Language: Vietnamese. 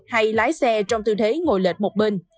hay lái xe trong tư thế ngồi lệch một bên